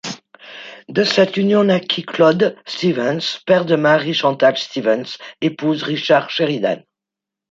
De cette union naquit Claude Stevens, père de Marie-Chantal Stevens, épouse Richard Sheridan.